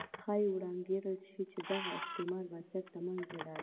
ښایي وانګېرل شي چې دغه استعماري بنسټ له منځه لاړ.